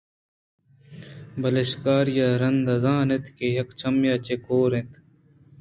بلے شکاریاں رندا زانت کہ آ یک چمّے ءَ چہ کور اِنت